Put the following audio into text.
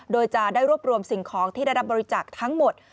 โดยจะได้รวบรวมสิ่งของที่ได้รับบริจาคทั้งหมด